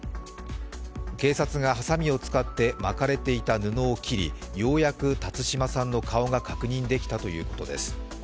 警察がはさみを使って巻かれていた布を切りようやく辰島さんの顔が確認できたということです。